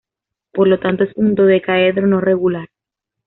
Por lo tanto, es un dodecaedro no regular.